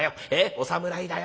お侍だよ。